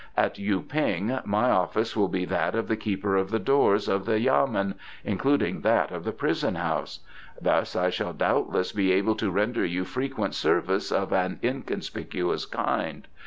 At Yu ping my office will be that of the keeper of the doors of the yamen, including that of the prison house. Thus I shall doubtless be able to render you frequent service of an inconspicuous kind.